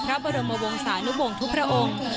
พระบรมวงศานุวงศ์ทุกพระองค์